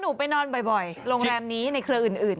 หนูไปนอนบ่อยโรงแรมนี้ในเครืออื่น